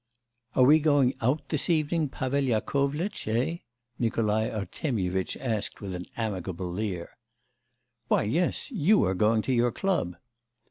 'Are we going out this evening, Pavel Yakovlitch, eh?' Nikolai Artemyevitch asked with an amicable leer. 'Why yes, you are going to your club.